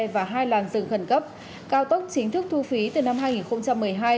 và hai làn rừng khẩn cấp cao tốc chính thức thu phí từ năm hai nghìn một mươi hai